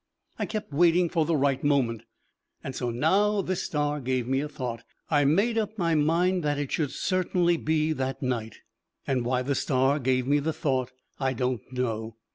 I kept waiting for the right moment. And so now this star gave me a thought. I made up my mind that it should certainly be that night. And why the star gave me the thought I don't know.